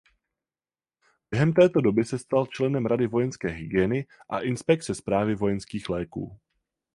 Během této doby se stal členem Rady vojenské hygieny a Inspekce správy vojenských léků.